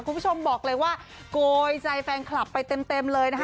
คุณผู้ชมบอกเลยว่าโกยใจแฟนคลับไปเต็มเลยนะคะ